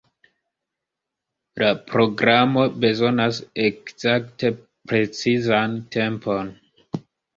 La programo bezonas ekzakte precizan tempon.